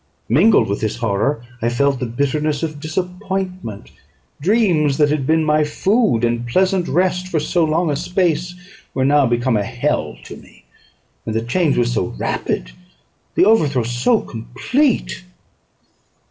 Mingled with this horror, I felt the bitterness of disappointment; dreams that had been my food and pleasant rest for so long a space were now become a hell to me; and the change was so rapid, the overthrow so complete!